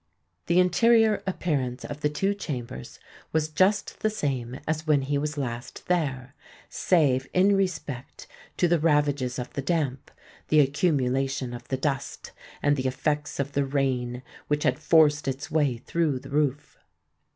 The interior appearance of the two chambers was just the same as when he was last there—save in respect to the ravages of the damp, the accumulation of the dust, and the effects of the rain which had forced its way through the roof.